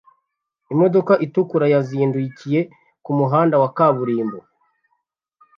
imodoka itukura yazindukiye kumuhanda wa kaburimbo